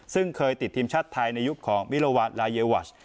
ซึ่งเคยติดทีมชาติไทยในยุคของมิโลวานลาเยวัช